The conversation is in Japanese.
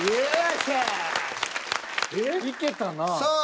いけたなぁ。